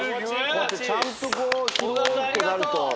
こうやってちゃんとこう拾うってなると。